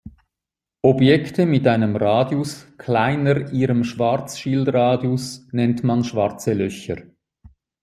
Objekte mit einem Radius kleiner ihrem Schwarzschildradius nennt man schwarze Löcher.